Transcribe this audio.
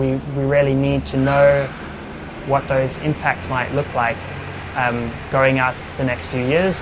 beberapa ilmuwan memperkirakan bahwa kerel di antarabangsa ini tidak akan berubah dengan kerel di selatan